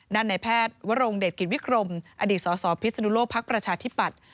ในแพทย์วรงเดชกิจวิกรมอดีตสสพิศนุโลกภักดิ์ประชาธิปัตย์